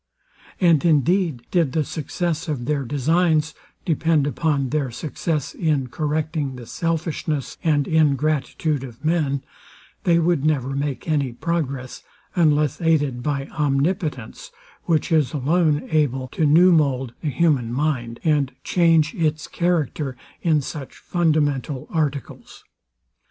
And indeed, did the success of their designs depend upon their success in correcting the selfishness and ingratitude of men, they would never make any progress, unless aided by omnipotence, which is alone able to new mould the human mind, and change its character in such fundamental articles.